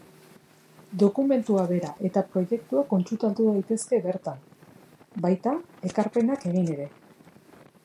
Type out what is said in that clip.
Dokumentua bera eta proiektuak kontsultatu daitezke bertan, baita ekarpenak egin ere.